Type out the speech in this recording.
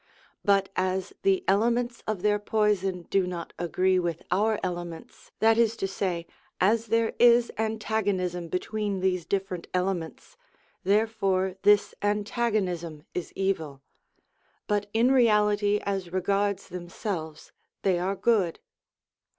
But as the elements of their poison do not agree with our elements, that is to say, as there is antagonism between these different elements, therefore this antagonism is evil; but in reality as regards themselves they are good.